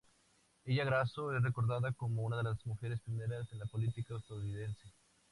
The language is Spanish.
Ella Grasso es recordada como una de las mujeres pioneras en la política estadounidense.